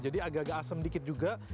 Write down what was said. jadi agak agak asem dikit juga